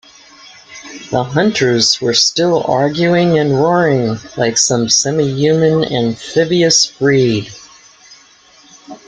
The hunters were still arguing and roaring like some semi-human amphibious breed.